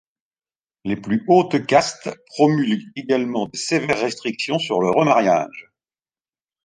Les plus hautes castes promulguent également de sévères restrictions sur le remariage.